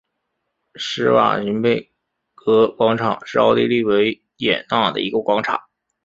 施瓦岑贝格广场是奥地利维也纳的一个广场。